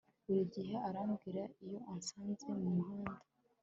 Buri gihe arambwira iyo ansanze mumuhanda